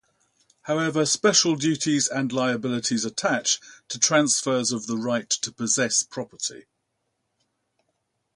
However, special duties and liabilities attach to transfers of the right to possess property.